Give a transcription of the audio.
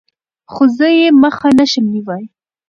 خو زه يې مخه نشم نيوى.